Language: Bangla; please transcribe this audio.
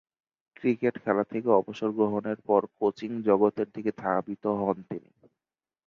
ক্রিকেট খেলা থেকে অবসর গ্রহণের পর কোচিং জগতের দিকে ধাবিত হন তিনি।